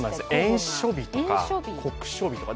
炎暑日とか酷暑日とか。